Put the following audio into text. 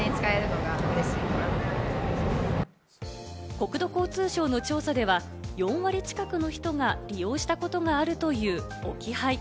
国土交通省の調査では４割近くの人が利用したことがあるという置き配。